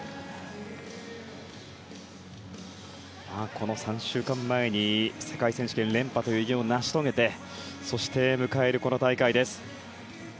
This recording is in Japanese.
この３週間前に世界選手権連覇という偉業を成し遂げてそして迎える、この大会です。